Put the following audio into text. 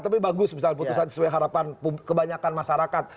tapi bagus misalnya putusan sesuai harapan kebanyakan masyarakat